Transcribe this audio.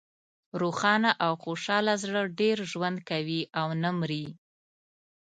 روښانه او خوشحاله زړه ډېر ژوند کوي او نه مری.